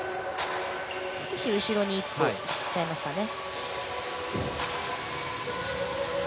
少し後ろに１歩いっちゃいましたね。